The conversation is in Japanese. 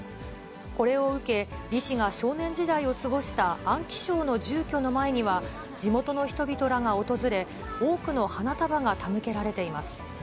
これを受け、李氏が少年時代を過ごした安徽省の住居の前には、地元の人々らが訪れ、多くの花束が手向けられています。